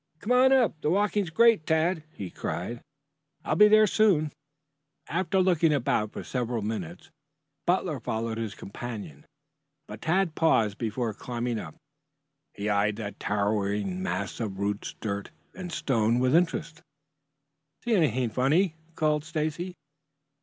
"Come on up. The walking's great, Tad," he cried. "I'll be there pretty soon." After looking about for several minutes Butler followed his companion. But Tad paused before climbing up. He eyed that towering mass of roots, dirt and stones with interest. "See anything funny?" called Stacy.